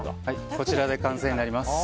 こちらで完成になります。